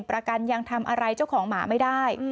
ประกันยังทำอะไรเจ้าของหมาไม่ได้